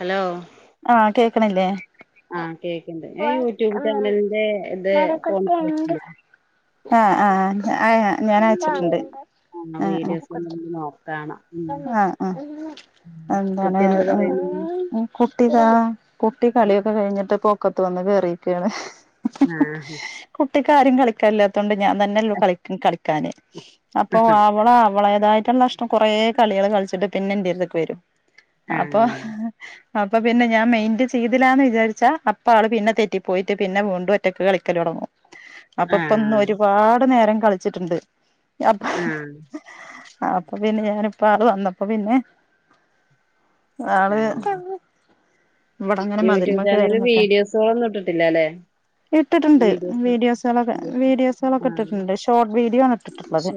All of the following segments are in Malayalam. ഹലോ ആഹ കേക്കണില്ലേ ആഹ കേക്കണ്ട് ഞ യൂട്യൂബ് ചാനലിന്റെ ഇത് ഫ ആഹ ആഹ ആ ഞാൻ അയച്ചിട്ടുണ്ട് ആഹ് ഉ വീഡിയോസ് എന്തെങ്കിലും നോക്കാണം ഉം ഉ ആഹ ഉ എന്താണ് കുട്ടി എന്ത് പറയുന്നു കുട്ടി കാ കുട്ടി കളിയൊക്കെ കഴിഞ്ഞിട്ട് പൊക്കത്ത് വന്ന് കറിക്കയാണ് ആഹ കുട്ടിക്കാരും കളിക്കാല്ലാത്തൊണ്ട് ഞാൻ തന്നെയല്ലോ കള കളിക്കാനാന് അപ്പൊ അവള അവളേതായി എറ്റ നഷ്ടം കൊറെേ കളികള് കളിച്ചിട്ട് പിന്നെ എന്റെടുതേക്ക് വരും അപ്പൊ ആഹ് അപ്പൊ പിന്നെ ഞാൻ മെയിന്റൻ ചെയ്തില്ല എന്ന് വിചാരിച്ചാ അപ്പ ആള് പിന്നെ തെറ്റി പോയിട്ട് പിന്നെ വീണ്ട ഒറ്റയ്ക്ക് കളിക്കൽ തുടങ്ങും അപ്പൊ ഇപ്പൊ ഒന്ന് ആഹ് ഒരുപാട് നേരം കളിച്ചിട്ടുണ്ട് അപ്പ ഉം അപ്പൊ പിന്നെ ഞാനപ്പോ ആള് വന്നപ്പോ പിന്നെ ആള് ആഹ് ഇവിടങ്ങനെ മതിൽമേ യൂട്യൂബ് കേറി ചാനലില് നിക്കാ വീഡിയോസുകളൊന്നും ഇട്ടിട്ടില്ല അല്ലെ ഇട്ടിട്ടുണ്ട് വീഡിയോസ് വീഡിയോസുകളൊക്കെ വീഡിയോസുകളൊക്കെ ആഹ് ഇട്ടിട്ടുണ്ട് ഷോർട്ട് വീഡിയോ ആണ് ഇട്ടിട്ടുള്ളത് ശോ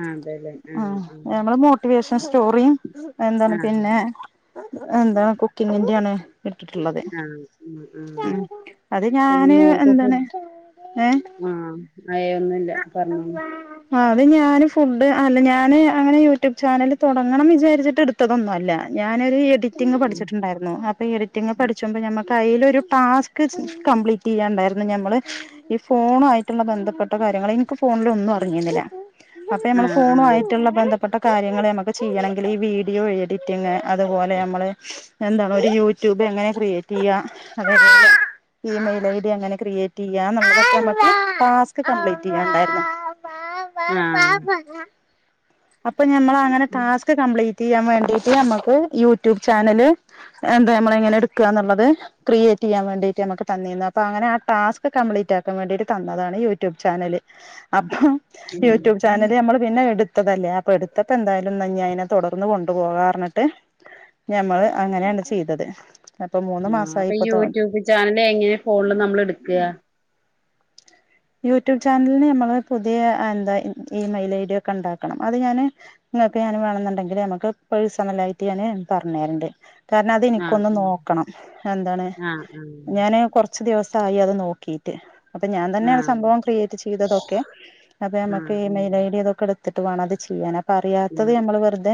ആഹ് അതെല്ലേ ഉ ആഹ് ആഹ് മ്മള് മോട്ടിവേഷൻ സ്റ്റോറിയും എന്താണ് ആഹ് പിന്നെ എന്താണ് കുക്കിങ്ങിന്റൊണ് ഇട്ടിട്ടുള്ളത് ആഹ് ആഹ് ആഹ് ഉ അത് ഞാന് എന്താണ് ആഹ അ ആഹ ത് ഞൻ ഫുഡ് അല്ല ഞൻ അങ്ങനെ യൂട്യൂബ് ചാനൽ തുടങ്ങണം വിചാരിച്ചിട്ട് എടുത്തതൊന്ന ഞാനൊ എഡിറ്റിങ് പഠിച്ചിട്ടുണ്ടായിരുന്നു അപ്പൊ എഡിറ്റിംഗ് പഠിച്ചുമ്പോൾ നമ്മക്ക് കയ്യിലൊ ഒരു ടാസ്ക് കംപ്ലീറ്റ് ചെയ്യാുണ്ടായിരുന്നു ഞമ്മൾ ഈ ഫോണു ആയിട്ടുള്ള ബന്ധപ്പെട്ട നിോണന്നും അമ്മ ആഹ് ഫോണ ആഹ് പ്പെട്ട കാര്യങ്ങൾ നമ്മുക്ക് ചെയ്യണമെങ്കിൽ ഈ വീഡിയോ എഡിറ്റിങ് അതുപോലെ നമ്മള് എന്താണ് ഒരു യൂട്യൂബ് എങ്ങനെ ക്രിയേറ്റ് ചെയ്യ അതെ ഇഈമെയിൽ ഐ ഡി അങ്ങനെ ക്രിയേറ്റ് ചെയ്യ പ്ലീറ്റ് ചെയ്യണ്ട ആഹ് അപ്പൊ മ്മ അങ്ങനെ ാസ്ക് കംപ്ലീറ്റ് ചെയ്യാൻ വേണ്ടിട്ട് നമ്മുക്ക് യൂട്യൂബ് ചാനല് എന്താ നമ്മ എങ്ങനെ എടുക്കുക എന്നുള്ളത് ക്രിയേറ്റ് ചെയ്യൻ വേണ്ടീട്ട് നുക്ക് തന്ന തന്ന അപ്പോ അങ്ങനെ ആ ടസ്ക് കം്ലീറ്റ് ആാക്കാ വേണ്ടിട്ട് തന്നതാണ് യ യൂട്യൂബ് ചാനല് അപ്പൊ ആഹ് യൂട്യൂബ് ചാനല് നമ്മള് പിന്നെ എടു ടുത്തതല്ലേ അപ്പൊ എടുത്തപ്പോ എന്തായാലുംഞ്ഞ അതിനെ തുടർന്ന് കൊണ്ടുപോകാറഞ്ഞിട്ട് ഞമ്മൾ അങ്ങനെയാണ് ചെയ്തത് അപ്പൊ മൂന്ന് ആ മാസമായി അപ്പൊ ഇപ്പൊ യൂട്യൂബ് ചാനല് എങ്ങനെ ഫോണില് നമ്മൾ എടുക്കുക യൂട്യൂബ് ചാനലിന് നമ്മള് പുതിയ എന്താ ഈ മെൽ ഐഡിയ ഒക്കെ ഉണ്ടാക്കണം അത് ഞാാന് ഇങ്ങൊക്കെ ഞാാന് വേണെന്നുണ്ടെങ്കില് നമുക്ക് പഴസമല്ലായിട്ട് ഞാന് പറഞ്ഞു തരണ്ട് കാര്ണം അത് ആഹ് എനിക്കൊന്ന് നോക്കണം എന്താണ് ആഹ് ആഹ് ഞാന് കൊറച്ച് ദിവസം ചായി അത് നോക്കീട്ട് അപ്പൊ ഞാൻ തന്നെയ ആഹ് സംഭവം ക്രിയേറ്റ് ചെയ്തതൊക്കെ അപ്പൊ നമക്ക് e ah mail I D അത് ഒക്കെ എടുത്തിട്ട് വേണം അത് ചെയ്യാൻ അപ് പറ്യയാത്തത് ആഹ് നമ്മള് വെറ്തെ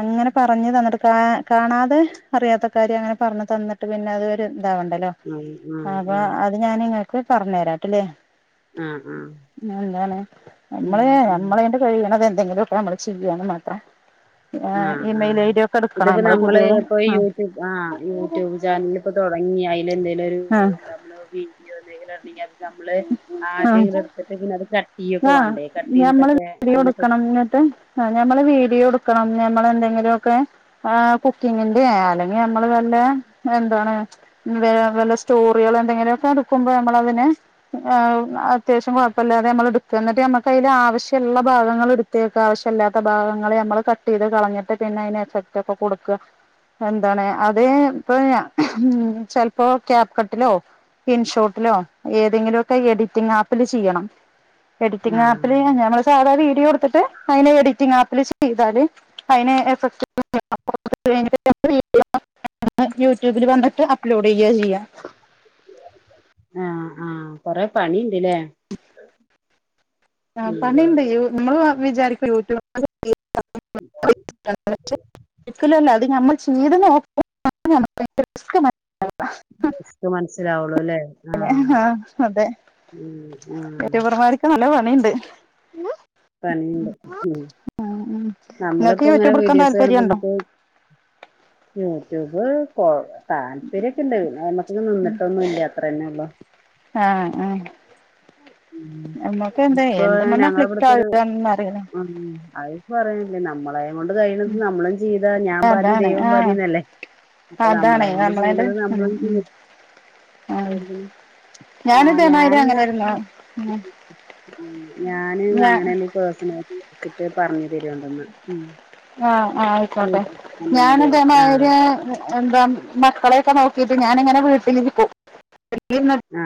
അങ്ങനെ പറഞ്ഞ് തന്നിട്ട് കാ കാണാതെ അറിയാത്ത കാര്യം അങ്ങനെ പറഞ്ഞ് തന്നിട്ട് പിന്നെ അതൊരു ഇതാവണ്ടലോ ആഹ് ആഹ് ആഹ് അപ്പൊ അത് ഞാൻ ഇങ്ങക്ക് പറഞ്ഞേരാ ട്ടിലേ. ആഹ് ആഹ് എന്താണ് ഉം നമ്മള് ഉം നമ്മളേണ്ട് കഴിയ്ണതെ ന്തെങ്കിലൊക്കെ നമ്മള് ചിയ്യാന്ന് മാത്രം. ആഹ് ഇമെയിൽ ആഹ് ഐ ഡി ഒക്കെ എടുക്കണം ഇത്പ്പോ നമ്മള് പുതിയത് ഇപ്പൊ ആ യൂട്യൂബ് ആഹ് യൂട്യൂബ് ചാനല് ഇപ്പൊ തൊടങ്ങി അയിൽ എന്തേലും ഒരു വേ ആ ഇണ്ടാവ്മ്പള് വീഡിയോ എന്തേങ്കിലും ഇടണെങ്കി അത് നമ്മള് ആ ആദ്യങ്ങനെ ഇട്ത്തിട്ട് പിന്നെ അത് [unintelligible] ആഹ് വേണ്ടേ കട്ട് ഞമ്മള് ചെയ്തിട്ടൊക്കെ വീഡിയോ അങ്ങനൊക്കെ ഇട്ക്കണം ഇഞ്ഞ്ട്ട് ആഹ് ഞമ്മള് വീഡിയോ ഇട്ക്കണം ഞമ്മള് എന്തേ ങ്ങിലൊക്കെ ആ കുക്കിംഗ്‌ ന്റെ അല്ലങ്കി നമ്മള് വല്ലേ എന്താണ് വേ അത് പോലെ സ്റ്റോറികൾ എന്തെങ്കിലൊക്കെ ഇട്ക്കുമ്പോ നമ്മളതിനെ ആവ് അത്യാവശ്യം കൊഴപ്പല്ലാതെ നമ്മള്ട് ക്ക ഇന്നിട്ട് നമുക്ക് അയ്‌ല് ആവശ്യള്ള ഭാഗങ്ങള് ഇട്ത്തിയേക്കാ ആവശ്യല്ലാത്ത ഭാഗങ്ങളെ നമ്മള് കട്ട് ചെയ്ത് കളഞ്ഞിട്ട് പി പിന്നെ അയ്ന് എഫക്ട് ഒക്കെ കൊടുക്ക എന്താണ് അത് ഇപ്പ ഉം ചെലപ്പോ ക്യാപ്പ് കട്ടിലോ ഇൻഷോട്ടിലോ ഏതെങ്കിലൊക്കെ എഡിറ്റിംഗ് ആപ്പില് ചിയ്യണം. എഡിറ്റിംഗ് ആഹ് ആപ്പില് ഞങ ഞമ്മള് സാദാ വീഡിയോട്ത്തിട്ട് അയിനെ എഡിറ്റിങ്ങ് ആപ് പ്പില് ചെയ്താല് അയ്നെ എഫക്ട് [unintelligible] യൂട്യൂബില് വന്ന്ട്ട് അപ്ലോഡ് ചെയ്യ ചെയ്യാ ആഹ് ആഹ് കൊറേ പണിണ്ട് ലേ ആഹ് പണിണ്ട് നമ്മള് വിചാരിക്കും യൂട്യൂ [unintelligible] [unintelligible] ഒരിക്കലൊല്ല അത് നമ്മൾ ചീത് നോ [unintelligible] റിസ്‌ക് മ റിസ്ക്ക് മനസ്സിലാവൊള്ളു ലേ പിന്നെ ഹാ അതെ ആഹ് യൂട്യൂബർമാര്ക്ക് നല്ല പണിണ്ട്. പണിണ്ട് ഉഹും നിങ്ങൾക്ക് നമ്മള്പ്പോ ഇങ്ങനെ യൂട്യൂബ് എടുക്കാൻ വീഡിയോസ് താല്പര്യം കാണുമ്പോ ഉണ്ടോ നമുക്ക് യൂട്യൂബ് കൊഴ് താല്പര്യൊക്കെ ഇണ്ട് പിന്നെ അയ്മക്ക് ഇങ്ങ് നിന്നിട്ടൊന്നും ഇല്ല അത്രന്നെ ഒള്ളൂ. ആഹ് ആഹ് ഉം നമ്മക്ക് എന്താ ഇപ്പൊ എന്ത് മണ്ണാ ഞങ്ങള ക്ലിക്ക് ഇവിടത്തെരു ആകാന്ന് അറിയില്ല അത് പറയില്ലേ നമ്മളെ നമ്മളെ കൊണ്ട് കഴിത് നമ്മളും ചെയ്താ ഞാൻ പാതി അതാണ് ദൈവം ആഹ് പാതിന്നല്ലേ അപ്പൊ അതാണ് നമ്മളെയും കൊണ്ട് നമ്മളെണ്ട് ചെയ്യണത് ഉം നമ്മളും ഉം ആഹ് ചെയ്യണം ഞാന് ആഹ് ഇതേമാതിരി ഞാനെന്നാ അങ്ങനെര്ന്നു ഞാന് ഞാൻ അങ്ങനെണ് ഈ പേസ്സനെറ്റി വെച്ചിട്ട് പറഞ്ഞു തരേണ്ടുന്നാ ഉം ആഹ് ആഹ് ആയിക്കോട്ടെ യൂട്യൂബ് ഞൻ ചാനലുണ്ട്. ആഹ് ഇതേമാതിരി എന്താ മക്കളെയൊക്കെ നോക്കിട്ട് ഞാനിങ്ങനെ വീട്ടിലിരിക്കും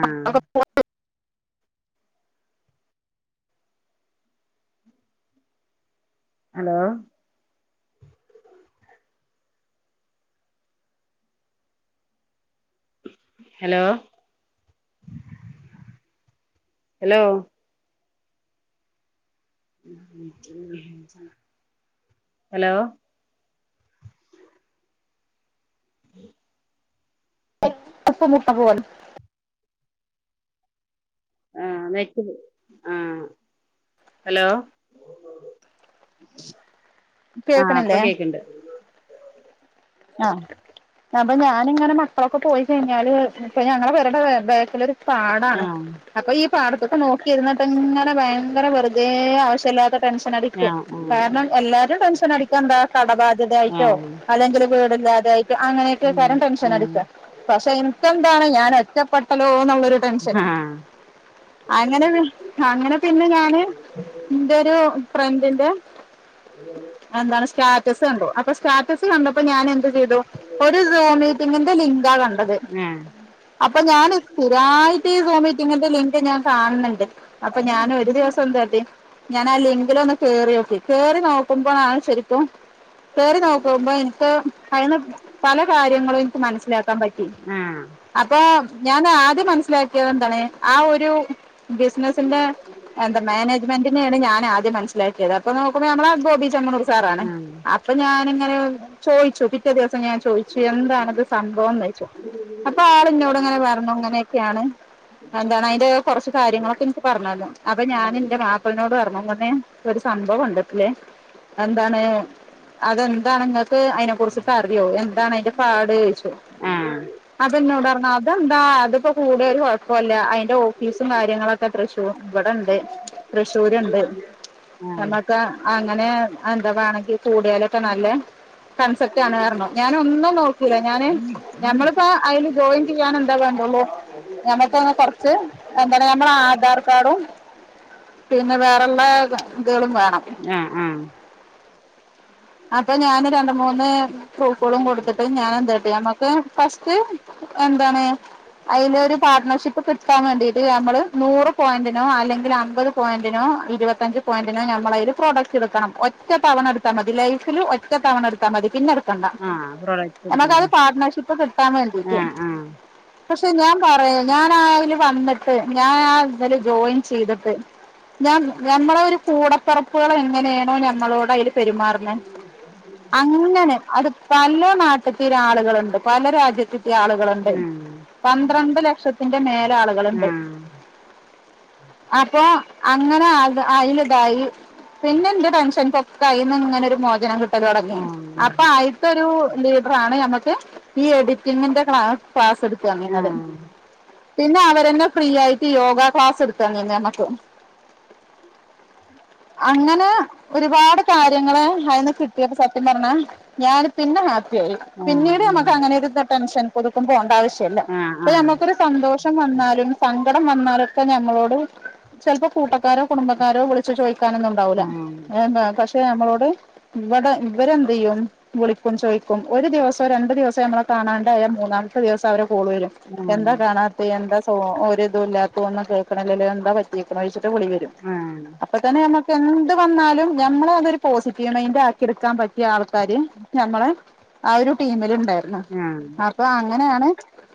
ആഹ് ഹലോ ഹലോ അലോ ഹലോ അപ്പമുട്ട [unintelligible] ആഹ് നെറ്റ് ആഹ് ഹലോ ആഹ് ഇപ്പൊ കേക്കണില്ലേ കേക്ക്ണ്ട് ആഹ് അപ്പൊ ഞാനിങ്ങനെ മക്കളൊക്കെ പോയി കഴിഞ്ഞാല് ഇപ്പ ഞങ്ങളെ പെരടെ ബേക്കിലൊരു പാടാണ് ആഹ് അപ്പൊ ഈ പാടത്തൊക്കെ നോക്കിയിരുന്നിട്ട് ഇങ്ങനെ ഭയങ്കര വെറുതെ ആവശ്യ ടെൻഷൻടിക്കും ആഹ് ആഹ് കാരണം എല്ലാരും ടെൻഷൻടിക്കാ എന്താ കടബാധ്യതായിട്ടോ ആഹ് അല്ലെങ്കില് ഇല്ലാതായിട്ടോ അങ്ങനെയൊക്കെ ഉം കാര്യം ടെൻഷൻ ഉം അടിക്കാ പക്ഷെ ഇൻക്കന്താണ് ഞാൻ ഒറ്റപ്പെട്ടല്ലോ ടെൻഷൻ ആഹ് അങ്ങനെ അങ്ങനെ പിന്നെ ഞാന് എന്റെ ഒരു ഫ്രണ്ട സ്റ്റാറ്റസ് കണ്ടു അപ്പോൊ ഞാൻ എന്ത് ചെയ്തു ഒരു സോൺ മീറ്റിങ്ങിന്റെ ലിങ്കാ കണ്ടത് ആഹ് അപ്പൊ ഞാാന് സ്ഥിരായിട്ട് സമട്ട ഇങ്ങനെ ലിങ്ക് ഞാൻ കാണണ്ട് അപ്പൊ ഞാനൻ ഒരു ദിവസം ഞാാനാല്ലെങ്കില ഒന്ന് കേറി നോക്കി കേറി നോക്കുമ്പോ നാണ് ശരിപ്പ വേറി നോക്ക അന്ന് പല കാര്യങ്ങളും എനിക്ക് മനസിലാക്കാൻ പറ്റി ആഹ് അപ്പൊ ഞാൻ ആദ്യം മനസ്സിലാക്കിയത് എന്താണ് ആ ഒരു ബിസിനസിന്റെ എന്താ മാനേജ്മെന്റിനെയാണ് ഞാ ആദ്യം മനസിലാക്കിയത് അപ്പൊ നോക്കുമ്പോ നമ്മുടെ ഗോബി ചമ്മ സാ ആഹ് അപ്പൊ ഞാനിങ്ങനെ ചോിച്ചു പിറ്റേ ദിവസ ഞാൻ ചോദിച്ചു എന്താാണ്ത് സംഭവം എന്ന് വെച്ചോ അപ്പൊ ആള ഇന്നോട് ഇങ്ങനെ പറഞ്ഞു ഇങ്ങനെയൊക്കെയാണ് എന്താണ് അതിന്റെ കുറച്ചച്ച് കാര്യങ്ങളൊക്കെ എനിക്ക് പറഞ്ഞരുന്നു അപ്പൊ ഞാൻ എന്റെ മാപ്പിളിനോട് പറഞ്ഞ ഒരു സംഭവം ഉണ്ടട്ടല്ലേ എന്താണ് അതെന്താണ അതിനെ കുറിച്ചിട്ട് അറിയോ എന്താണ് അതിന്റെ പാട് കഴിച്ചോ ആഹ് അത എന്നോട് അതെന്താ അതിപ്പോ കൂടുത ഒരു കുഴപ്പമല്ല അതിന്റെ ഓഫീസും കാര്യങ്ങളൊക്കെ എത്രക്ഷവും ഇവിടെണ്ട് തൃശ്ശൂരുണ്ട് ആഹ് നമുക്ക് അങ്ങനെ എന്താ വേണ കൂടിയാലൊക്കെ നല്ല കൺസെപറ്റ് ആണ് കാരണം ഞാന ഒന്നും നോക്കില്ല ഞാന് നഞമ്മളിപ്പോ അതില് ജോയിൻ ചെയ്യാൻ എന്താ ള്ള ഞമ്മക്കെ കൊറച്ച് എന്താണ് നമ്മുടെ ആധാർ കാഡും പിന്നെ വേറെുള്ള ഇതകളും വേണം ആഹ് ആഹ് അപ്പൊ ഞാന് രണ്ട് മൂന്ന് ഫൂക്കുകളും കൊടുത്തിട്ട് ഞാൻ എന്തട്ട ഫസ്റ്റ് എന്താണ് അതിന് ഒരു പാർട്ട്ണർഷിപ്പ് കിട്ടാൻ വേണ്ടീട്ട് നമ്മള് നൂറ് പോയിന്റിനോ അല്ലെങ്കിൽ അമ്പത് പോയിന്റിനോ ഇരുപത്തഞ്ച് പോയിന്റിന് നമ്മ പ്രൊഡക്ട് എടുക്കണം ഒറ്റ തവണ എടുത്താൽ മതി ലൈഫ ഒ തവണ എത്താ മതി പിന്നെ ണ്ട ആഹ് പ്രൊഡക്റ്റ് നമക്ക അത് എടുക്കുന്നതാ പാർട്ട്ണർഷിപ്പ് കിട്ടാൻ വേണ്ടിട്ട ആഹ് ആഹ് പക്ഷെ ഞാൻ പറയാ ഞാൻ ആതില് വന്നിട്ട് ഞാൻ ആ ഇന്നല് ജോയിൻ ചെയ്തിട്ട് ഞാൻ ഞമ്മള ഒരു കൂടപ്പറപ്പുകൾ എങ്ങനെയാണോ ഞമ്മളോട് അതിൽ പെരുമാറുന്നത് ഇങ്ങനെ അത് പല നാട്ടത്തി ആളുകളുണ്ട് പല രാജ്യത്തി ആളുകളുണ്ട് ആഹ് പന്ത്രണ്ട് ലക്ഷത്തിന്റെ മേല ആളുകളുണ്ട് ആഹ് അപ്പ അങ്ങനെ അത് അതിൽ ഇതായി പിന്നെ എന്റെ ടെൻഷൻൊക്കെയിന്ന് ഇങ്ങനെ ഒരു മോചനം കിട്ടും തുടങ്ങി അപ്പൊ അയിത്തരു ലീഡറാണ് നമക്ക് ഈ എ ിന്റെ ക് ക്ലാസ് എടുത്തു ആഹ് അങ്ങിുന്നത് ആഹ് പിന്നെ അവരെന്നെ ഫ്രീ ആയിട്ട് യോഗ ക്ലാസ് എടുത്താന്ന നമക്ക് അങ്ങനെ ഒരുപാട് കാര്യങ്ങള് അയിന്ന് കിട്ടിയപ്പോ സത്യം പറഞ്ഞ ഞാൻ പിന്നെ ശ ആഹ് പിന്നീട് ഉം നമുക്ക് അങ്ങനെ ഒരുരു ടെൻഷൻ പുതുക്കുമ്പോണ്ട ആവശ്യം ല്ല ആഹ് അപ്പ ആഹ് നമുക്കൊരു സന്തോഷം വന്നാലും ഇടം വന്നാരൊക്കെ ഞങ്ങളോട് ചപ്പോ കൂട്ട ക്കാരോ കുടുംബക്കാരോ വിളിച്ചിട്ട് ചോദിക്കാനൊന്നും ഉണ്ടാവില്ല ആഹ് പക്ഷെ നമ്മളോട് ഇവിടെ ഇവരെന്ത് ചെയ്യും വിളിക്കും ചോദിക്കും ഒരു ദിവസോ രണ്ടു ദിവസോ നമ്മള കാണാണ്ട മൂന്നാമത്തെ ദിവസം അവരെ കോള വരും ആഹ് എന്താ കാണാത്ത എന്താ സ ഒരിതും ഇല്ലാത്ത ഒന്നും കേൾക്കണ എന്താ പറ്റക്കണംഴിച്ചിട്ട് വിളി വരും ആഹ് ആഹ് അപ്പൊ തന്നെ നമ്മക്ക് എന്ത് വന്നാലും ഞമ്മള അതൊരു പോസിറ്റീവ് മൈന്ഡ് ആക്കിെടുക്കാൻ പറ്റിയ ആൾക്കാര് ഞമ്മള്െ ആ ഒരു ടീമില് ഉണ്ടായിരുന്നു ആഹ് ആക്ക അങ്ങനെയാണ്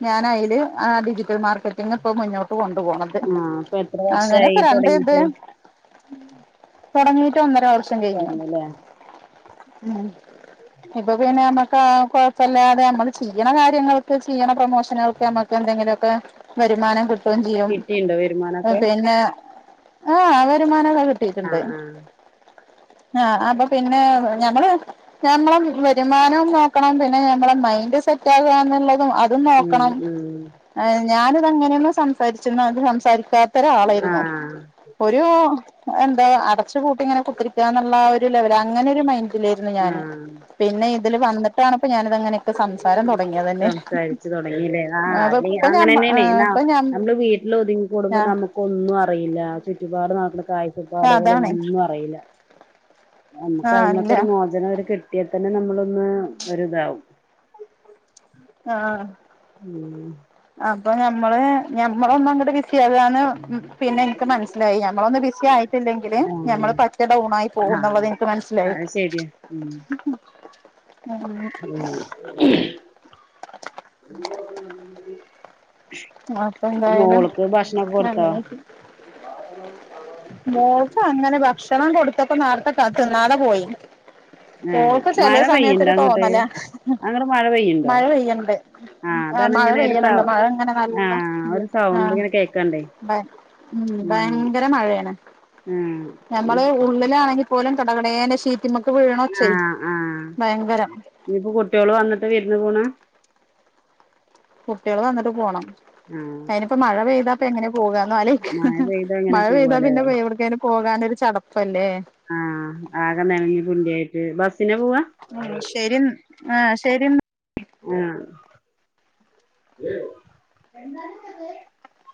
ഞാന അതില് ഡിജിറ്റൽ മാർക്കറ്റിംഗ ഇപ്പോ മുന്നോട്ട് പ്പൊകൊണ്ടു പോണത് ഇപ്പൊ എത്ര വർഷായി അങ്ങനെപ്പോ രണ്ട് ഇത് തൊടങ്ങീട്ട് തൊടങ്ങീട്ടൊന്നര വർഷം കഴിഞ്ഞു കഴിഞ്ഞുല്ലേ ഇപ്പൊ പിന്നെ നമ്മക്ക് കൊഴപ്പല്ലാതെ നമ്മള് ചെയ്യണ കാര്യങ്ങൾക്ക് ചെയ്യണ പ്രമോഷ പിന്നൊവ്ക്കമ്മക്കെന്തെങ്കിലൊക്കെ വരുമാനം കിട്ടുകയും ചെയ്യും കിട്ടിണ്ടോ വരുമാനൊക്കെ പിന്നെ ആഹ് വരുമാനക്കെ ആ കിട്ടീട്ടുണ്ട്. ആ ആഹ് അപ്പൊ പിന്നെ ഞമ്മള് ഞമ്മളെ വരുമാനം നോക്കണം പിന്നെ ഞമ്മള മൈൻഡ് സെറ്റാകാനുള്ള അതും ഉം നോക്കണം ഉം എഹ് ഞാനിതങ്ങനെ ന്നു സംസാരിച്‌ക്ക്ണ് അത് സംസാ പേത്തര ആ ആളായിരുന്നു ഒരൂ എന്താ അടച്ചുപൂട്ടി ഇങ്ങനെ കുത്തിരിക്കാന്നുള്ള ഒരു ലെവല് അങ്ങനൊരു മൈൻ ഡിലേര്ന്നു ആ ഞാന് പിന്നെ ഇതില് വന്നിട്ടാണ് പ്പൊ ഞാനിതങ്ങനക്കെ സംസാരം തൊടങ്ങിയതന്നെ. സംസാരിച്ചു തുടങ്ങില്ലേ ആ അല്ലെ അപഇപ്പ അങ്ങനെ ഞം തന്നെയണേ എഹ് ന ഇപ്പ ഞ നമ്മള് വീട്ടിലൊതുങ്ങികൂടുമ്പോ നമുക്ക് ഒന്നു അറിയില്ല. ചു റ്റുപാട് നടക്ക്ണെ ആഹ് അതാണ് കാഴ്ചപ്പാടുകളുമൊന്നു അറിയില്ല. നമുക്ക് ആഹ് അയിന്നൊക്കെ ഇല്ല ഒരു മോചനോര് കിട്ടിയാതന്നെ നമ്മളൊന്ന് ഒരിതാവും ആഹ് ഉം ഇപ്പ ഞമ്മള് ഞമ്മളൊന്നങ്ങട്ട് വിസ് ക്കെറിയാൻ പിന്നെ ഇൻക്ക് മനസ്സിലായി ഞമ്മളൊന്ന് ബിസി ആയിട്ടില്ലെങ്കിൽ ഞമ്മള് പറ്റ ഡൗണായി പോവും. ആ പൊവ്ന്നുള്ളത് ഇൻക്ക് ആ മനസ്സിലായ് അത് ശരിയാ ഉം ഉം അപ്പൊ എന്തായാലും മോൾക്ക് ഭക്ഷണൊക്കെ കൊടുത്തോ മോൾക്കങ്ങനെ ഭക്ഷണം കൊടുത്തപ്പൊ നാർത്തെ ക തിന്നാതെ പോയി ഏ ഓക്ക് ചെലേ മഴ പെയ്യണ്ടോ സമയത്തൊരു അങ്ങട്ട് തോന്നല അങ്ങട് മഴ പെയ്യണ്ടോ മഴ പെയ്യ്ണ്ട് ആ അതാണ് മഴ ഇങ്ങനെ ഒരു പെയ്യ്ണ് സൗ ണ്ട് മഴങ്ങനെ നല്ല ആഹ് ഒരു സൗണ്ട് ആഹ് ഇങ്ങനെ കേക്കണ്ടേ മ. ഉം ഭയങ്കര മഴയേണ്. ആഹ് ഞമ്മള് ഉള്ളിലാണെങ്കിൽ പോലും കടകടേനെ ഷി ആഹാ ആഹാ ഭയങ്കരം ഇനിയിപ്പോ കുട്ടിഓള് വന്നിട്ട വിരുന്ന് പോണ് കുട്ട്യാള് വന്നിട്ട് പോണം. ആഹ് അയിന്പ്പം മഴ പെയ്താപ്പെങ്ങനെ പോകാന്നാല് മഴ പെയ്ത അങ്ങനെ മഴ പെയ്താ പോവല്ലേ പിന്നെ വേവ്ടക്കേലു പോകാനൊര് ചട ആഹ് ആകെ നനഞ്ഞ് പിണ്ടിയായ്ട്ട് ബസ് ഉം ശരിന്ന് ആഹ് ശെരിന്നാ ആഹ്